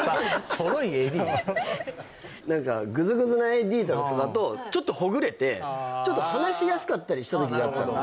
何かグズグズなＡＤとかとちょっとほぐれてちょっと話しやすかったりした時があったのね